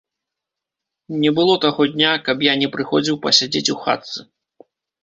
Не было таго дня, каб я не прыходзіў пасядзець у хатцы.